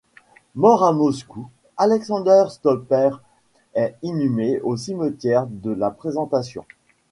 Mort à Moscou, Aleksandr Stolper est inhumé au cimetière de la Présentation.